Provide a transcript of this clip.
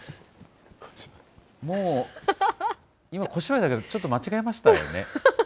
もう、今、小芝居だけど、ちょっと間違えましたよね。